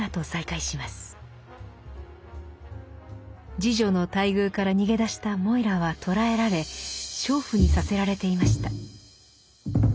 侍女の待遇から逃げ出したモイラは捕らえられ娼婦にさせられていました。